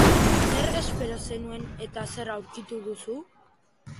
Zer espero zenuen eta zer aurkitu duzu?